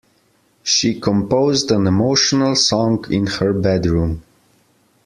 She composed an emotional song in her bedroom.